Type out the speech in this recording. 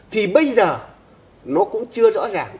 thì bây giờ nó cũng chưa rõ ràng